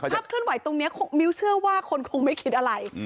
เคลื่อนไหวตรงนี้มิ้วเชื่อว่าคนคงไม่คิดอะไร